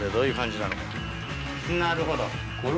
なるほど。